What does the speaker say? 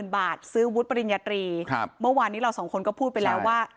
บาทซื้อวุฒิปริญญาตรีเมื่อวานนี้เราสองคนก็พูดไปแล้วว่า